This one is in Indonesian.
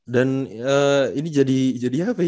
dan ini jadi apa ya